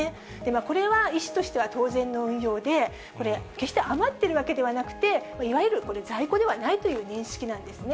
これは医師としては当然の運用で、これ、決して余っているわけではなくて、いわゆる在庫ではないという認識なんですね。